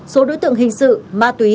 số đối tượng hình sự ma túy